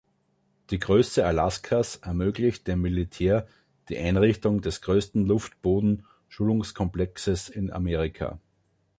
Die Größe Alaskas ermöglicht dem Militär die Einrichtung des größten Luft-Boden Schulungskomplexes in Amerika.